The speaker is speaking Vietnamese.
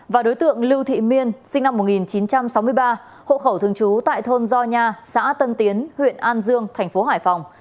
và đối tượng lưu thị miên sinh năm một nghìn chín trăm sáu mươi ba hộ khẩu thương chú tại thôn do nha xã tân tiến huyện an dương tp hải phòng